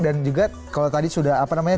dan juga kalau tadi sudah apa namanya